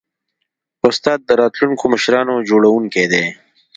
استاد د راتلونکو مشرانو جوړوونکی دی.